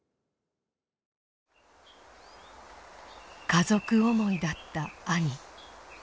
家族思いだった兄。